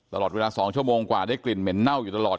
ตลอดเวลา๒ชั่วโมงกว่าได้กลิ่นเหม็นเน่าอยู่ตลอด